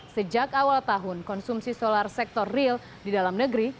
sejak awal tahun konsumsi solar sektor real di dalam negeri